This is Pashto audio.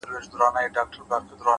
حقیقت خپله لاره خپله جوړوي,